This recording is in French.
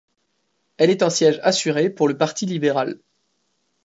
Elle est un siège assurée pour le Parti libéral.